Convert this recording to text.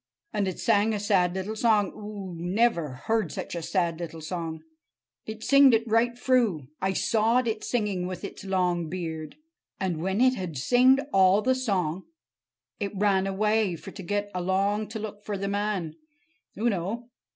And it sang a sad little song. Oo never heard such a sad little song! It singed it right froo. I sawed it singing with its long beard. And when it had singed all the song, it ran away—for to get along to look for the man, oo know.